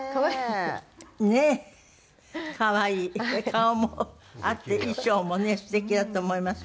顔も合って衣装もね素敵だと思います。